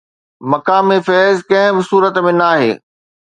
مقام فيض ڪنهن به صورت ۾ ناهي